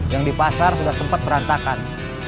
yang di pasar sudah sempat berantakan